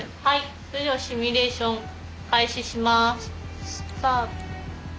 はいそれではシミュレーション開始します。